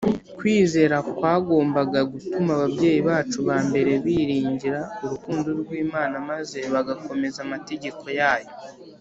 . Kwizera kwagombaga gutuma ababyeyi bacu ba mbere biringira urukundo rw’Imana, maze bagakomeza amategeko yayo.